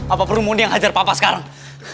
apa perlu mundi yang hajar papa sekarang